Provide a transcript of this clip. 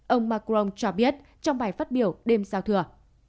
ông macron cho biết trong bài phát biểu đêm giao thừa